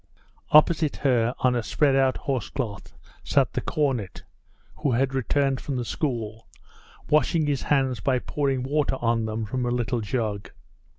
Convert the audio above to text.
Opposite her, on a spread out horse cloth, sat the cornet (who had returned from the school) washing his hands by pouring water on them from a little jug.